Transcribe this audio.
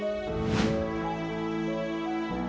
อ้าวจริง